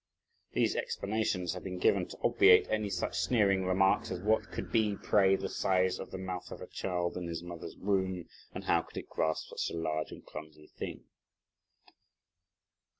These explanations have been given to obviate any such sneering remarks as: "What could be, pray, the size of the mouth of a child in his mother's womb, and how could it grasp such a large and clumsy thing?"